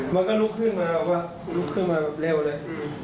มันก็ลุกขึ้นมาลุกขึ้นมาเร็วเลย